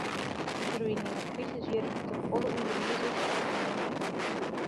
Der wienen yn de krisisjierren te folle ûnderwizers en te min bern.